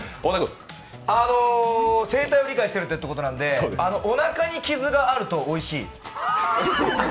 生態を理解してということなんで、おなかに傷があるとおいしい。